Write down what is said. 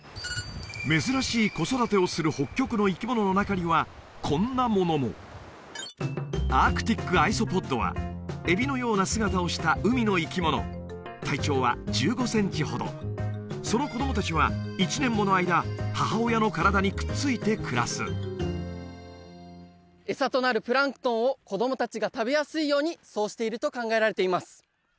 珍しい子育てをする北極の生き物の中にはこんなものもアークティックアイソポッドはエビのような姿をした海の生き物体長は１５センチほどその子供達は１年もの間母親の体にくっついて暮らす餌となるプランクトンを子供達が食べやすいようにそうしていると考えられています